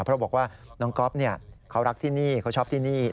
เพราะบอกว่าน้องก๊อฟเขารักที่นี่เขาชอบที่นี่